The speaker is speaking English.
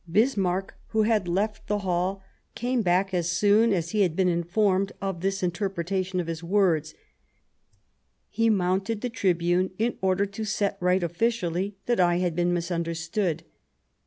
" Bismarck who had left the hall, came back at once as soon as he had been informed of this inter pretation of his words ; he mounted the tribune in order "to set right officially that I had been misunderstood."